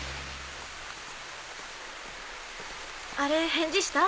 あれ返事した？